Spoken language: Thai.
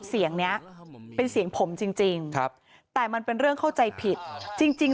เสียงเนี้ยเป็นเสียงผมจริงครับแต่มันเป็นเรื่องเข้าใจผิดจริงจริง